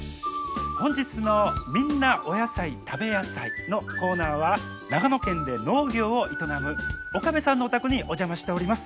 本日の「みんなお野菜たべやさい」のコーナーは長野県で農業を営む岡部さんのお宅にお邪魔しております。